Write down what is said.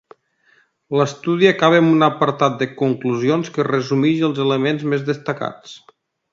L'estudi acaba amb un apartat de conclusions que resumeix els elements més destacats.